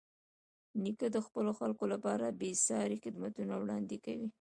نیکه د خپلو خلکو لپاره بېساري خدمتونه وړاندې کوي.